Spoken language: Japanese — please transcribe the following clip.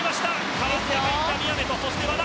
代わって入った宮部と和田